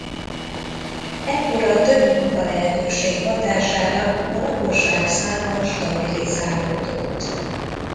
Ekkor a több munkalehetőség hatására a lakosság száma stabilizálódott.